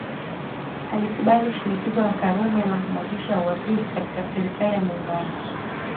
Alikubali shinikizo la Karume la kumwachisha uwaziri katika Serikali ya Muungano